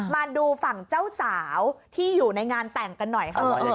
มาดูฝั่งเจ้าสาวที่อยู่ในงานแต่งกันหน่อยค่ะ